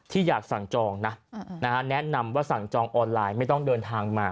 อยากสั่งจองนะแนะนำว่าสั่งจองออนไลน์ไม่ต้องเดินทางมา